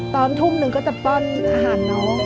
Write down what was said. ตอนทุ่มหนึ่งก็จะป้อนอาหารน้อง